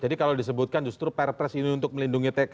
jadi kalau disebutkan justru pepres ini untuk melindungi tka